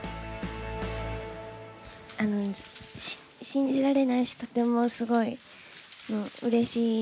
信じられないしとてもすごいうれしいです。